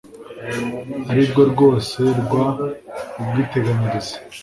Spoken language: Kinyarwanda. arirwo rwose rw ubwiteganyirize